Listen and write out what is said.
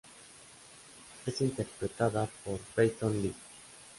Es interpretada por Peyton List.